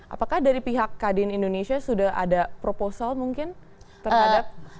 apakah dari pihak kadin indonesia sudah ada proposal mungkin terhadap